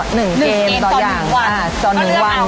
หนึ่งเกมต่ออย่างอ่าต่อหนึ่งวัน